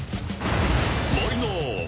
マリナー！